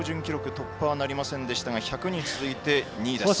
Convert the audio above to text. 突破はなりませんでしたが１００に続いて２位です。